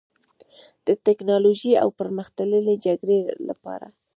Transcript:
د ټیکنالوژۍ او پرمختللې جګړې لپاره